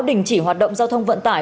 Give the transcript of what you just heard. đình chỉ hoạt động giao thông vận tải